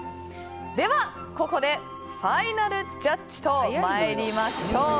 では、ここでファイナルジャッジと参ります。